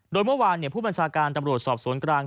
โดยเมื่อวานผู้บัญชาการตำรวจสอบสวนกลาง